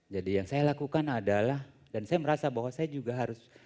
jadi yang saya lakukan adalah dan saya merasa bahwa saya juga harus